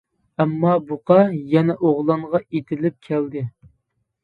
ئەمما بۇقا يەنە ئوغلانغا ئېتىلىپ كەلدى.